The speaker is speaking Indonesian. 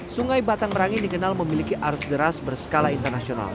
sungai batang merangin dikenal memiliki arus deras berskala internasional